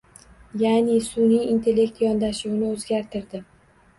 Yaʼni sunʼiy intellekt yondashuvini oʻzgartirdi.